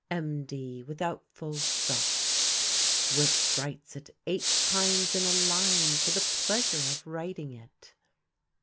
MD, without full stops, Swift writes it eight times in a line for the pleasure of writing it.